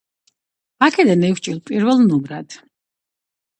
აქედან ექვსჯერ პირველ ნომრად.